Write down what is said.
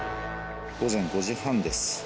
午前５時半です。